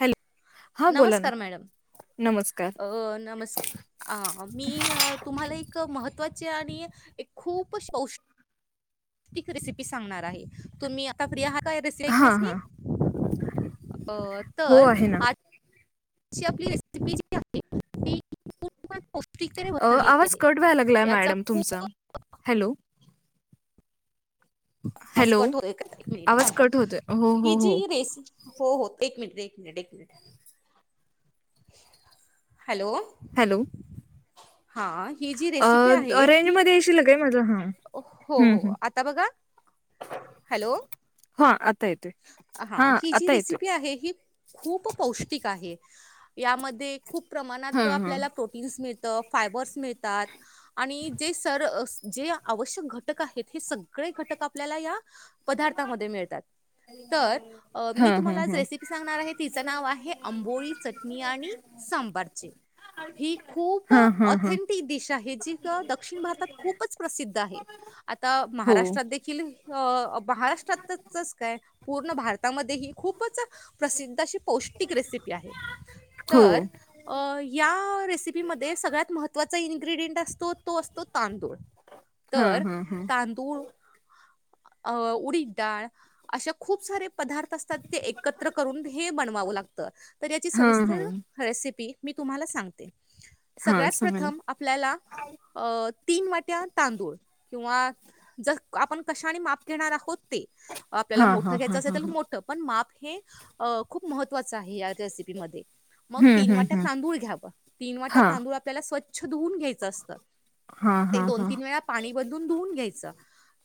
Hello नमस्कार madam नमस्कार अ नमस्कार आं मी अ तुम्हाला एक महत्व ची आणि एक खूपच शौस कं रेसिपी सांगणार आहे, तुम्ही आता फ्रि आहात? तुम्ही रेसीपी हा एकण्यासी हा हो तर आहे ना आ जची आपली रेसिपी जी आहे पौष्टिकतेने अ भरलेली आवाज आहे. कट व्हायला लागलाय याचा मॅडम तुमचा खूप हॅलो, हाफ हॅलो कट होय का एक मिनिट आवाज ह कट होतोय हो हि हो हो जी रेसि हो हो एक मिनिट मिडेकनट [unintelligible] हॅलो, हॅलो, हा अ रेंज मध्ये येशील काय हो, हो. आता बघा. हॅलो. ह हा ही जी रेसिपी आहे ही खूप पौष्टिक आहे खूप हा प्रमाणात हा आपल्याला प्रोटन् मिळत फायबर् ज जे आवश्यक घटक आहेत हे सगळे घटक आपल्याला या पदार्थामध्ये मिळतात तर हा मी हा तुम्हाला आ हा रेसिपी सांगणार आहे तिचं नाव आहे आंबोळी चटणी आणि सांभाचे ही खूप हा हा हा ऑथेंटिक दिशा आहे जी दक्षिण भारतात खूपच प्रसिद्ध आहे आता हो महाराष्ट्रात देखील महाराष्ट्रात काय पूर्ण भारतामध्ये ही खूपच प्रसिद्ध अशी पौष्टिक रेसिपी आहे हो तर या रेसिपीमध्ये सगळ्यात महत्त्वाचा इन्ग्रेडियंट असतो तो असतो तांदूळ हा तर हा हा तांदूळ अ उडी डाळ अशा खूप सारे पदार्थ असतात ते एकत्र करून हे बनवावं लागत तर याची हा हा सविस्तर रेसिपी मी तुम्हाला सांगते हा सगळ्यात सांगा ना प्रथम आपल्याला अ तीन वाट्या तांदूळ किंवा ज आपण कशाने माप घेणार आहोत ते हा आपल्याला हा मोठं हा घ्यायचं असेल हा तर मोठं पण माप हे खूप महत्त्वाचं आहे या रेसिपीमध्येध्ये मग हम्म तीन हम्म वाट्यात हम्म तांदूळ घ्यावं तीन वाट्यात हा तांदूळ आपल्याला स्वच्छ धुवून घ्यायचं असत हा ते हा दोन हा तीन वेळा पाणी बधून धुून घ्यायचं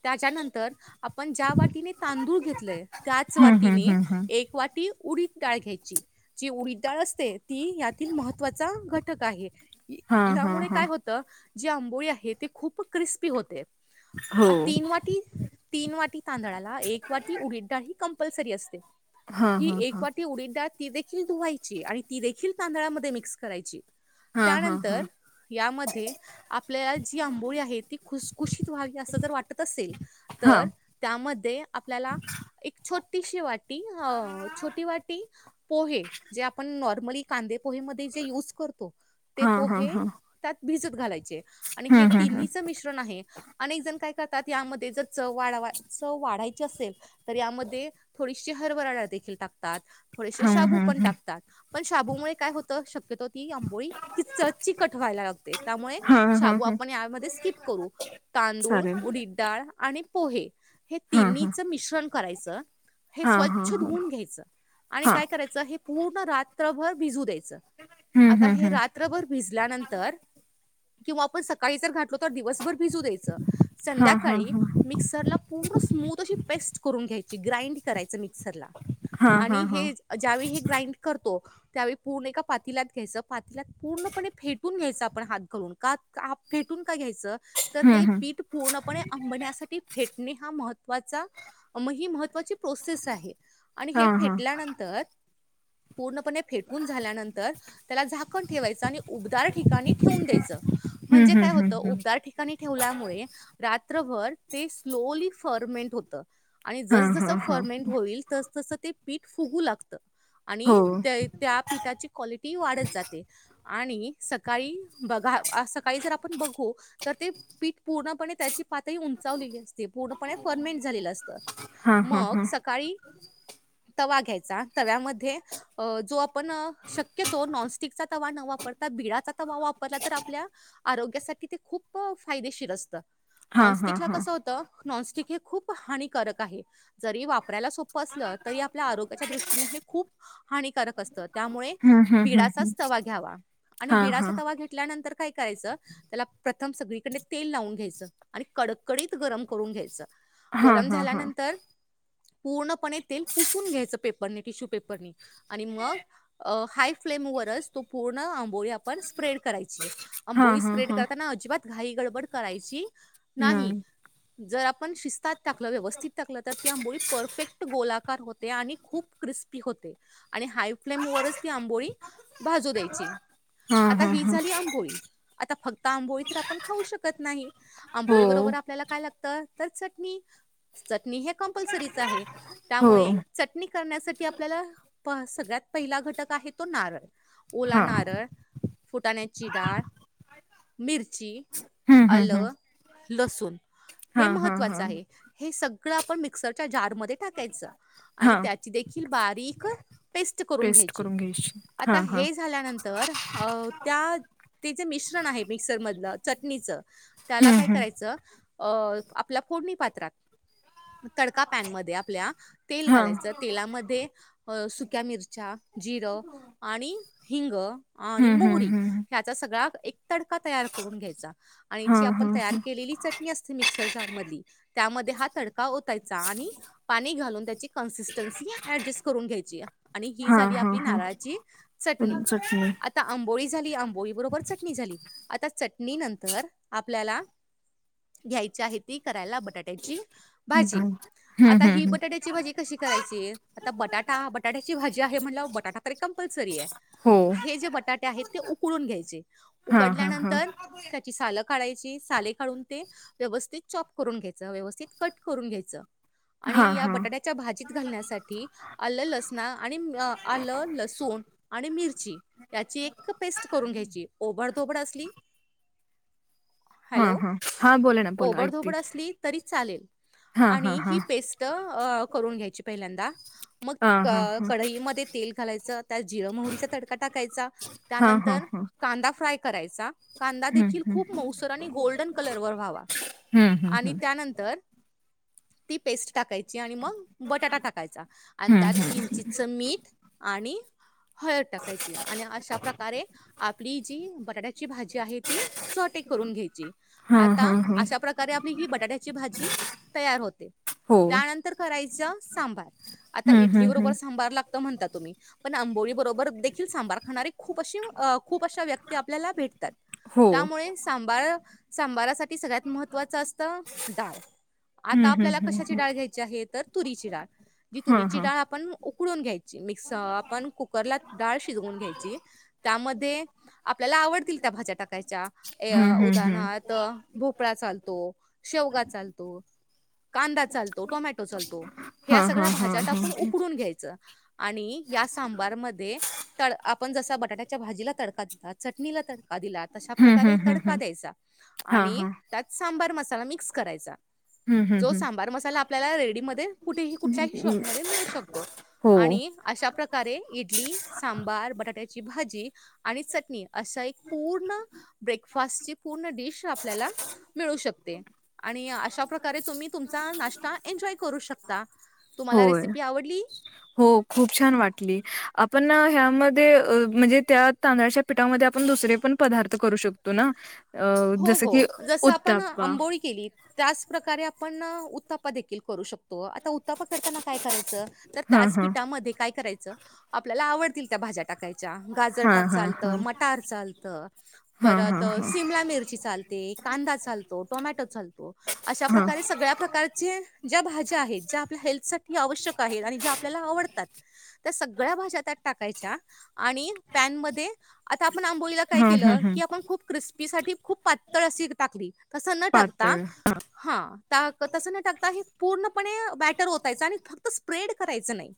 त्याच्यानंतर आपण ज्या वाटीने तांदूळ घेतलय त्याच हम्म हम्म वाटीने हम्म हम्म एक वाटी उडी डाळ घ्यायची जी उडीडळ असते ती यातील महत्वाचा घटक आहे हा हा यामुळे हा काय होतं जे आंबोळी आहे ते खूप क्रिस्पी होते हो तीन वाटी तीन वाटी तांदळा एक वाटी उर ही कंपल्सरी असते हा ही हा एक हा वाटी उडीडाळ ती देखील धुवायची आणि ती देखील तांदळामध्ये मिक्स करायची हा हा हा त्यानंतर यामध्ये आपल्याला जी आंबोळी आहे ती खुखुशीत व्हावी असं जर वाटत असेल हा तर त्यामध्ये आपल्याला एक छोटीशी वाट छोटी वाटी पोहे जे आपण नॉर्मली कांदे पोहे म यज ते हा हा पोहे हा भिजत घालायचे आणि हे हम्म हम्म हम्म तिन्हीच मिश्रण आहे आणि एक जण काय ात यामध्ये ज च वा वाढायची असेल तर यामध्ये थोडीशी हरभराळ देखील टाकतात थोडेसे हम्म शाबू हम्म पण हम्म टाकतात पण शाबूमुळे काय होतं शक्यतो ती आंबोळी कि चचची कटवा्हायला लागते त्यामुळे हा हा शबू हा आपण यामध्ये स्किप करू तांदूळ चालेल उडडडाळ आणि पोहे हे हा हा तिन्हीच मिश्रण करायचं हे हा हा स्वच्छ हा धुवून घ्यायचं आणि हा काय करायचं हे पूर्ण रात्रभर भिजू द्यायचं हम्म आता हम्म हे हम्म रात्रभर भिजल्यानंतर किंवा आपण सकाळी जर घातलो तर दिवसभर भिजू द्यायच हा हा संध्याकाळी हा मिक्सरला पूर्ण स्मूथ अशी पेस्ट करून घ्यायची ग्राइंड करायचं मिक्सर ला हा आणि हा हा हे ज्याळी ग्राईंड करतो त्यावेळी पूर्ण ए पातीलात घ्याय पातीलात पूर्णपणे फेटून घ्यायच आपण हात घालून का फेटून काय घ्यायचं तर हम्म ते हम्म पीठ पूर्णपणे आंबण्यासाठी फेट फेटणे हा महत्त्वाचा ही महत्त्वाची प्रोसेस आहे आणि हा हे हा फेटल्यानंतर पूर्णपणे फेटून झाल्यानंतर त्याला झाकण ठेवायच आणि उदार ठ ा ठेून द्याय हम्म म्हणजे काय हम्म हम्म होत हम्म उबदार ठिकाणी ठेवल्यामुळे ोमे हा हा हा होतमें हो ते पीठ फुगू लागत आणि हो त्या पीठाची की ती वाढत जाते आणि सकाळी बघा सकाळी जर आपण बघू तर ते पीठ पूर्णपणे त्याची पातळी उंचावलेली अस पूर्णपणे फर्मेंट झालेलं असत हा हा मग हा सकाळी तवा घ्यायचा तव्यामध्ये जो आपण शक्यतो नॉनस्टिकचा तवा न वापरो आता बिडाचा वाव वापरला तर आपल्या आरोग्यासाठी ते खूप फायदेशीर असतं हा हा नॉनस्टिक ला हा कस होत नॉनस्टिक हे खूप हानिकारक आहे जरी वापरायला सोपं असलं तरी आपल्या आरोग्याच्या दृष्टीने हे खूप हानिकारक असतं त्यामुळे हम्म हम्म हम्म बिडाचाच तवा घ्यावा आणि हा हा बिडचा तवा घेतल्यानंतर काय करायचं त्याला प्रत्य प्रथम सगळीकडे तेल लावून घ्यायचं आणि कडकडीत गरम घ्याच हा गरम हा हा झाल्यानंतर पूर्णपणे तेल पुसून घ्यायच पेपरनेिशू आणि मग हाय फ्लेम वच तो पूर्ण आंबोळी आपण स्प्रेड करायची हा अंबोळी हा स्प्रेड हा करताना अजिबात घाई गडबड करायची नाही जर आपण शिस्तात टाकलं व्यवस्थित टाकलं तर ती आंबोळी परफेक्ट गोलाकार होते आणि खूप क्रिस् हाय फ्म वच ती आंबोळीज द्यायची हा आता हा ही हा झाली आंबोळी आता फक्त आंबोळी तर आपण खाऊ शकत नाही हो आंबोळी बरोबर त्याला काय लागते तर चटणी चटणी हे कंपल्सरीच आहे हो त्यामुळे चटणी करण्यासाठी आपल्याला सगळ्यात पहि ला घटक आहे तो नारळ ओला हा नारळ फुटाण्याची डाळ मिरची हम्म हम्म हम्म आलं लसूण हा हे हा हा महत्वाचं आहे हे सगळं आपण मिक्सरच्या जार म टाकायचं आणि हा त्या बकून पेस्ट घ्या करून घ्यायची हा आ हा हे झाल्यानंतर त्या ते जे मिश्रण आहे मिक्सर मधलं चटणीच त्याला काय करायचं अ आपल्या फोडणी पात्रात तडका पॅनमध्ये आपल्या हम्म तेल हम्म घालायचं तेलामध्ये सुक्या मिरच्या जिरं आणि हिंग आणि हा हम्म हम्म मोहरी ह्याचा सगळा एक तडका तयार करून घ्यायचा आणि हम्म हा जी आपण हा तयार हा केलेली चटणी असते म घ [unintelligible] अडजस्ट करून घ्यायची आणि ही हा झाली हा आपली नारळाची चटणी आता आंबोळी झाली आंबोळी बरोबर चट झाली आता चटणी नंतर आपल्याला घ्याय आहे बटाट्याची भाजी हम्म आता हम्म ही हम्म बटाट्याची भाजी कशी करायची आता बटाटा बटाट्याची भाजी आहे म्हण बटाटा तर कम सरी आहे हो हे जे बटाटे आहेत ते उकडून घ्यायचे हा हा हा उकडल्यानंतर त्याची सालं काढायची साले काढून ते व्यवस्थित चॉप करून घ्यायच व्यवस्थित कट करून घ्यायचं हा आणि या हा बटाट्याच्या भाजीत घालण्यासाठी आलं लसण आणि आलं लसूण आणि मिरची याची एक पेस्ट करून घ्यायची ओबडधोबड असली हा हॅलो? हा हा बोले ना बोला ऐकते ओबडधोबड असली तरी चालेल हा हा आणि हा ही पेस्ट करून घ्यायची पहिल्यांदा हा मग हा हा कढईमध्ये तेल घालायच त्यात जिर मोहरीचा तडका टाकायचा हा हा त्यानंतर हा कांदा फ्राय करायचा कांदा हम्म देखील हम्म खूप मौसर आणि गोल्ड क हम्म हम्म टाकायची आणि मग बटाटा टाकायचा आणि हम्म हम्म त्यात हम्म किंचितचं मीठ आणि हयत टाकायची आणि अशा प्रकारे आपली जी बटाट्याची भाजी आहे ती सोटे करून घ्यायची हा आता हा हा अशा प्रकारे आपली ही बटाट्याची भाजी तयार होते हो त्यानंतर करायचं सांबार आता हम्म इडली हम्म हम्म बरोबर सांबार लागत म्हणतात तुम् पण आंबोळी बरोबर देखील सांभार खाणारी खूप अशी खूप अशा व्यक्ती आपल्याला भेट हो त्यामुळे सां ती सगळ्यात महत्त्वाचं असतं डाळ आता हम्म हम्म आपल्याला कशाची हम्म डाळ घ्यायची आहे तुरीची डाळ जी हा तुरीची हा डाळ आपण ून घ्याय म आपण कुकरला डाळ शिजून घ्यायची त्यामध्ये आपल्याला आवडतील त्या भाज्या टाकायच्या हम्म अ हम्म हम्म उदाहरणारथ भोपळा चालतो शेवगा चालतो कांदा चालतो टोमॅटो चालतो हा ह्या हा सगळ्या हा भाज्या हा टाकून उकडून घ्यायचं आणि या सांबारमध्ये तड आपण जसा बटाट्याच्या भाजीला तडका देतात चटणीला तडका दिलात तशा हम्म प्रकारे हम्म हम्म तडका हम्म द्यायचा हा आणि हा त्यात सांबार मसाला मिक्स करायचा हम्म हम्म जो हम्म सांबार मसाला आपल्याला रेडी म कुठेही कुठल्याही शॉपमध्ये मिळू शकतो हो. आणि अशा त्या प्रकारे इडली सांबार बटाटे च पूर् ब्रेक पण देश आपल्याला मिळू शकते आणि अशा प्रकारे तुम्ही तुमचा नाश्ता एन्जॉय करू शकता तुम्हाला होय. रेसिपी आवडली हो खूप छान वाटली आपण ह्यामध्ये म्हणजे त्या तांदळाच्या पिठामध्ये आपण दुसरे पण पदार्थ करू शकतो ना अ हो जसं की हो जसं आपण उत्ताप्पा. आंबोळी केली त्याच प्रकारे आपण उतापा देखील करू शकतो आता उताफ करताना काय करायचं तर हां, त्याच हां. पीठामध्ये काय करायचं आपल्याला आवडतील त्या भाज्या टाकायच्या गाजर टाक हां, हां, चालत हां. मटार चालत हां, परत हां, हां. शिम मिर चालते कांदा चालतो टोमॅटो चालतो अशा हां. प्रकारे सगळ्या प्रकारचे ज्या भाज्या आहेत ज्या आपल्या हेल्थ साठी आवश्यक आहेत आणि स्या टा आपण आंबोईला काय हां, हं, केलं हं. की आपण खूप क्रिस्पी सा खूप पातळ अशी टाकली तस न टाकता पातळ. हा टा तसं न टाकता हे पूर्णपणे बॅटर होतायच आणि फक्त स्प्रेड करायचं नाही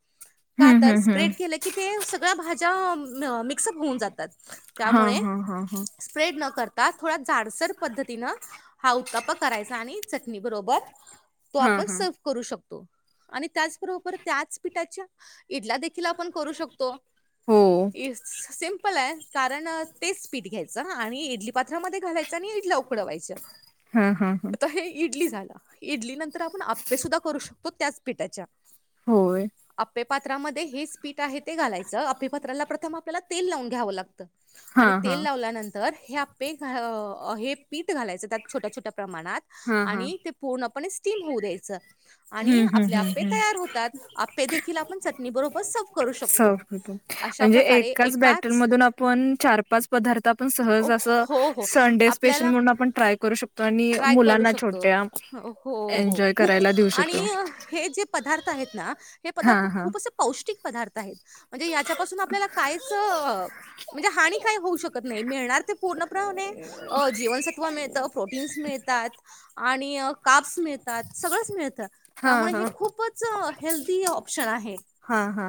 ह का हं, तर हं, हं. स्प्रेड केलं की ते सगळ्या भाज्या मिक्सअप होऊन जातात हां, त्यामुळे हां, हां, हां. स्प्रेड न करता थोडा डसर पद्धतीन हा उताप करायचा आणि चटणी बरोबर तो हां, आपण हां. सर्व करू शकतो आणि त्याचबरोबर त्याच पिठाच्या इडला देखील आपण करू शकतो हो. सिमपल आहे कारण तेच पीठ घ्यायचं आणि इडली पात्रामध्ये इ उकडवाय हां, हां, हां. इड झा इडली नंतर आपण आपे सुद्धा करू शकतो त्याच पिठाच्या होय आपेपात्रामध्ये हेच पीठ आहे ते घालायचं आपेपात्राला प्रथम आपल्याला तेल लावून घ्यावं लागतं हां, आणि हां. तेल लावल्यानंतर हे आपे हे पीठ घालायच त्या छोट्या छोट्या प्रमाणात हां, हां. आणि पूर्ण स्टीम होऊ द्यायच आणि हं, हं, आपले हं, आपे हं. तयार होतात आपे देखील आपण चटणी बरोबर स स म्हणजे एकाच बॅटर मधून आपण चार पाच पदार्थ आपण हो सहज अस हो संडे स्पेशल आपल्याला म्हणून आपण ट्राय करू शकतो आणि ट्राय करू मुलांना शकतो छोट्या हो हो एन्जॉय खूप करायला देऊ आणि शकतो हे जे पदार्थ आहेत हे हा पदार् हा खूपौष्टिक पदार्थ म्हणजे याच्यापासून आपल्याला कायच म्हणजे हानी काही होऊ शकत नाही मिळणार ते पूर्णप्रमाणे जीवनसत्व मिळतं प्रोटीन ात आणि काप् मिात सगळ मिळत त्या हा हा खूप हेल्दी ऑप्शन आहे हा हा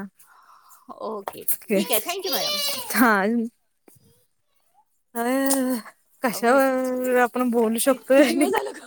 ओके. ठीक आहे. Thank you madam. हा अरे अगं बाई! कशावर आपण बोलू कि शकतोय किती वेळ झालं गं?